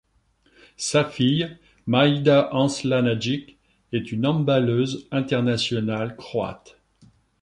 Sa fille, Maïda Arslanagić, est une handballeuse internationale croate.